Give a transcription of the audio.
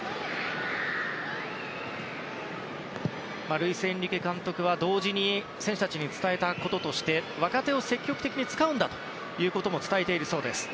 ルイス・エンリケ監督は同時に選手たちに伝えたこととして若手を積極的に使うということも伝えているそうです。